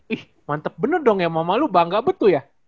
ih mantep bener dong ya mau malu bangga betul ya